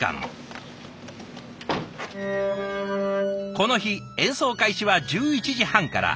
この日演奏開始は１１時半から。